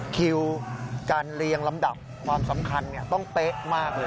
คิวการเรียงลำดับความสำคัญต้องเป๊ะมากเลย